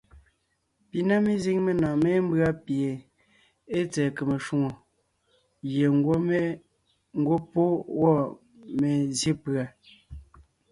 Pi na mezíŋ menɔ̀ɔn mémbʉ́a pie ée tsɛ̀ɛ kème shwòŋo gie ńgwɔ́ pɔ́ wɔ́ mezsyé pùa.